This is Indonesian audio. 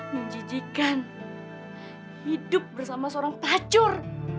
menjijikan hidup bersama seorang tacur